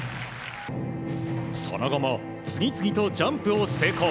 その後も次々とジャンプを成功。